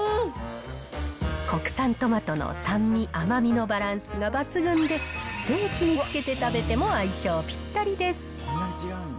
国産トマトの酸味、甘みのバランスが抜群で、ステーキにつけて食べても相性ぴったりです。